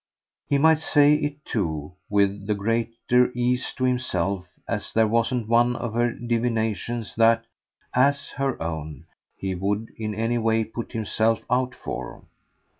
He might say it too with the greater ease to himself as there wasn't one of her divinations that AS her own he would in any way put himself out for.